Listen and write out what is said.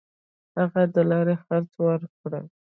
هغه د لارې خرڅ ورکړي.